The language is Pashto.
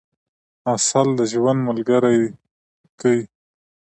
عسل د ژوند ملګری کئ.